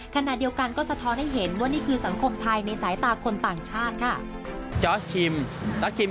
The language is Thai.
ขณะเดียวกันก็สะท้อนให้เห็นว่านี่คือสังคมไทยในสายตาคนต่างชาติค่ะ